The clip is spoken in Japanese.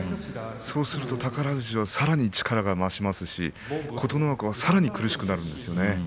そうすると宝富士はさらに力が増しますし琴ノ若さらに苦しくなるんですよね。